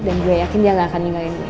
dan gue yakin dia gak akan ninggalin gue